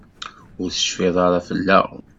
Ur tecfiḍ ara fell-aɣ?